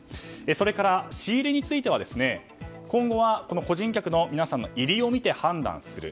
それから、仕入れについては今後は、個人客の皆さんの入りを見て判断する。